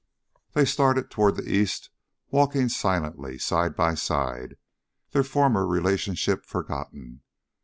They started toward the east, walking silently, side by side, their former relationship forgotten.